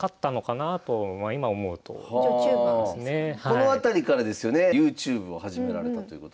この辺りからですよねＹｏｕＴｕｂｅを始められたということで。